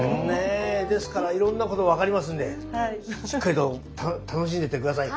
ですからいろんなこと分かりますんでしっかりと楽しんでいって下さい。